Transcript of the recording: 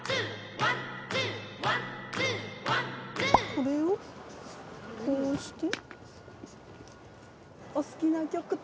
これをこうして。